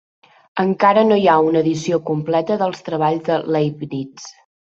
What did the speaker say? Encara no hi ha una edició completa dels treballs de Leibniz.